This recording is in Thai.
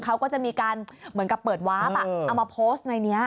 เขาก็จะมีการเหมือนกับเปิดวาร์ฟเอามาโพสต์ในนี้